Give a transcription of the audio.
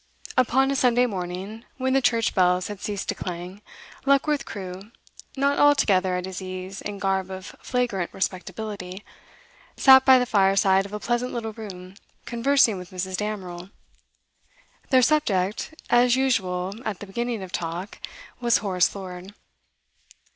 Upon a Sunday morning, when the church bells had ceased to clang, Luckworth Crewe, not altogether at his ease in garb of flagrant respectability, sat by the fireside of a pleasant little room conversing with Mrs. Damerel. Their subject, as usual at the beginning of talk, was Horace Lord.